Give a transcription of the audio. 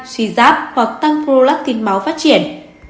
suy giáp hoặc tăng prolactin máu phát triển